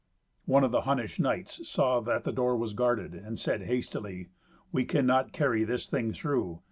One of the Hunnish knights saw that the door was guarded, and said hastily, "We cannot carry this thing through.